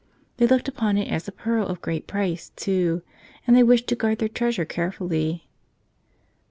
They looked upon it as a pearl of great price, too, and they wished to guard their treasure carefully.